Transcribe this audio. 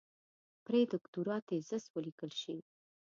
پرې د دوکتورا تېزس وليکل شي.